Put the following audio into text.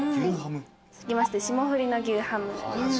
続きまして霜降りの牛ハム。